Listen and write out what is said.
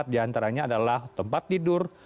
empat diantaranya adalah tempat tidur